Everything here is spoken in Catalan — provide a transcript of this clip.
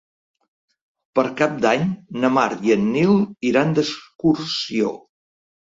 Per Cap d'Any na Mar i en Nil iran d'excursió.